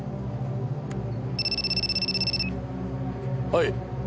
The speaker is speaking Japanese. はい。